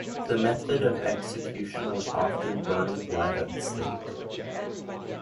The method of execution was often burning alive at the stake.